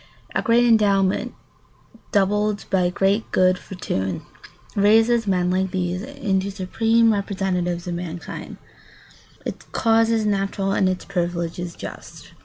A great endowment, doubled by great good fortune, raises men like these into supreme representatives of mankind. [Sidenote: Its causes natural and its privileges just.